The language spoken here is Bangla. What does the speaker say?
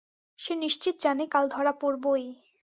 সে নিশ্চিত জানে, কাল ধরা পড়বই।